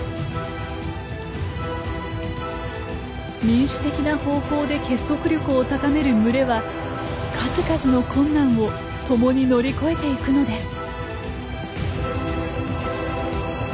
民主的な方法で結束力を高める群れは数々の困難を共に乗り越えていくのです。